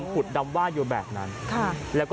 เฮ้ยเฮ้ยเฮ้ยเฮ้ย